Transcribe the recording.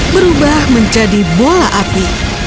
berubah menjadi bola api